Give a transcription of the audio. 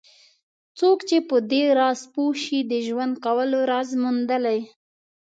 څوک چې په دې راز پوه شي د ژوند کولو راز موندلی.